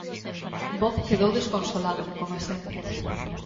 Bob quedou desconsolado, coma sempre.